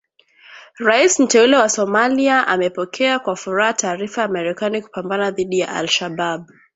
Raisi Mteule wa Somalia amepokea kwa furaha taarifa ya Marekani kupambana dhidi ya Al Shabaab